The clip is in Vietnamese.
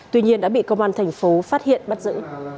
tuy nhiên đã bị công an thành phố phát hiện bắt giữ